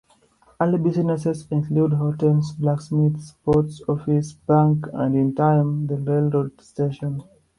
Early businesses included hotels, blacksmiths, post office, bank, and in time the railroad station.